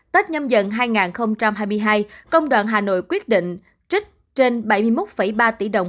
tết nhâm dần hai nghìn hai mươi hai công đoàn hà nội quyết định trích trên bảy mươi một ba tỷ đồng